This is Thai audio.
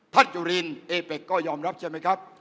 จุลินเอเป็กก็ยอมรับใช่ไหมครับ